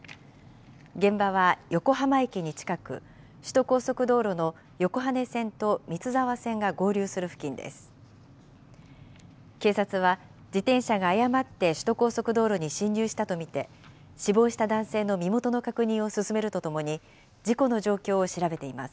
現場は横浜駅に近く、首都高速道路の横羽線と三ツ沢線が合流する付近です。